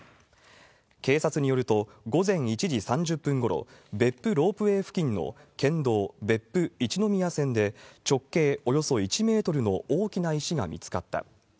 警察によると、午前１時３０分ごろ、別府ロープウェイ付近の県道別府一の宮線で、直径およそ１メートルの大きな石が見つかった。